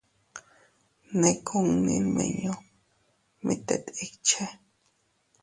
Ne kunni nmiñu mit tet ikche.